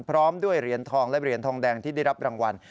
พร้อมด้วยเหรียญทองและเหรียญทองแดงที่ได้รับรางวัล